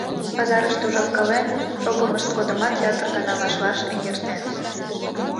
Пазарыште ужалкален шогымышт годымат ятыр гана ваш-ваш эҥертеныт.